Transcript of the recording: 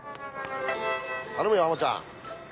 頼むよハマちゃん。